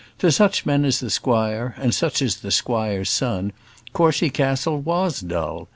To men such as the squire, and such as the squire's son, Courcy Castle was dull.